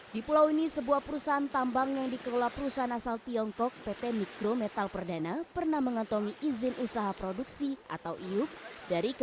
di pulau ini sebuah perusahaan tambang yang dikelola perusahaan asal tiongkok pt mikro metal perdana pernah mengantongi izin usaha produksi atau iup